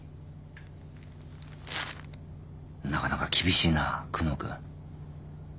なかなか厳しいな久能君。